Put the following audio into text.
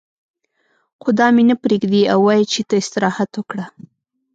خو دا مې نه پرېږدي او وايي چې ته استراحت وکړه.